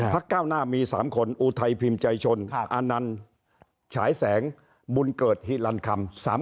ก้าวหน้ามี๓คนอุทัยพิมพ์ใจชนอานันต์ฉายแสงบุญเกิดฮิลันคำ